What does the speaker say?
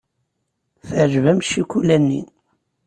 Teɛjeb-am ccikula-nni.